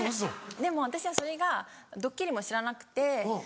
でも私はそれがドッキリも知らなくて。